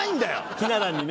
ひな壇にね。